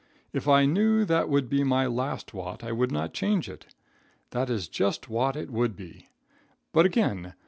If I knew that would be my last wot I would not change it. That is just wot it would be. But again.